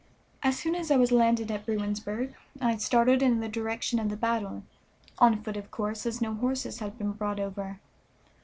As soon as I was landed at Bruinsburg I started in the direction of the battle, on foot, of course, as no horses had been brought over.